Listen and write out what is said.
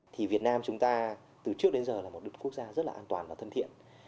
thì việt nam chúng ta từ trước đến giờ là một quốc gia rất là an toàn và thân thiện